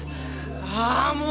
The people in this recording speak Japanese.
ああもう！